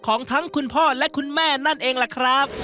ของทั้งคุณพ่อและคุณแม่นั่นเองล่ะครับ